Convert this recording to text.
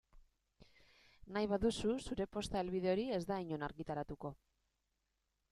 Nahi baduzu zure posta helbide hori ez da inon argitaratuko.